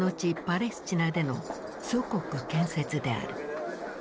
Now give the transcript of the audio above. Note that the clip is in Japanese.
パレスチナでの祖国建設である。